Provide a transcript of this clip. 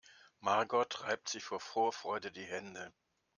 Margot reibt sich vor Vorfreude die Hände.